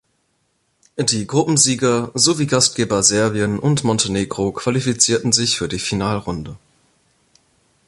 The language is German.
Die Gruppensieger sowie Gastgeber Serbien und Montenegro qualifizierten sich für die Finalrunde.